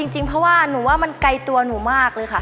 จริงเพราะว่าหนูว่ามันไกลตัวหนูมากเลยค่ะ